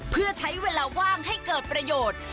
เพื่อใช้เวลาว่างให้เกิดประโยชน์